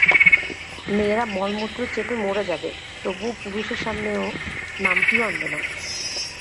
মেয়েরা মলমূত্র চেপে মরে যাবে, তবুও পুরুষের সামনে ও-নামটিও আনবে না।